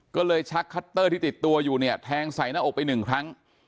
ก็เลยชักคัตเตอร์ที่ติดตัวอยู่เนี่ยแทงใส่หน้าอกไปหนึ่งครั้ง